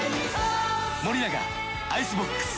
森永アイスボックス。